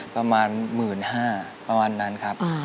ประมาณ๑๕๐๐บาทประมาณนั้นครับ